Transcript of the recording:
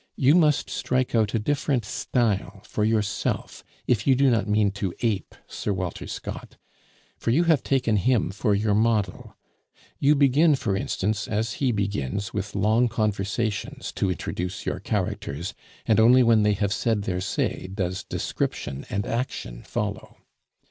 You must strike out a different style for yourself if you do not mean to ape Sir Walter Scott, for you have taken him for your model. You begin, for instance, as he begins, with long conversations to introduce your characters, and only when they have said their say does description and action follow.